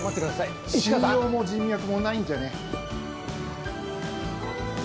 市川さん信用も人脈もないんじゃね